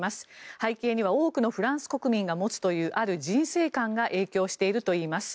背景には多くのフランス国民が持つというある人生観が影響しているといいます。